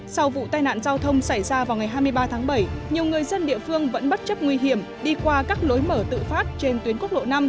sau vụ tai nạn giao thông xảy ra vào ngày hai mươi ba tháng bảy nhiều người dân địa phương vẫn bất chấp nguy hiểm đi qua các lối mở tự phát trên tuyến quốc lộ năm